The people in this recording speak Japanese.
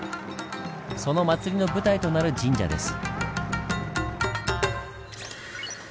その祭りの舞台となる神社です。